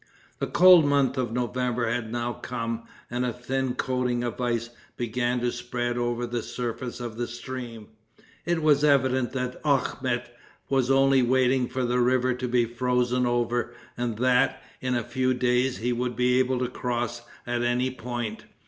The cold month of November had now come, and a thin coating of ice began to spread over the surface of the stream. It was evident that Akhmet was only waiting for the river to be frozen over, and that, in a few days, he would be able to cross at any point.